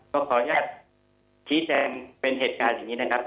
ขออนุญาตชี้แจงเป็นเหตุการณ์อย่างนี้นะครับ